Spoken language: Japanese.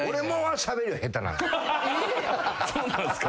そうなんすか？